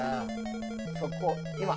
そこ今！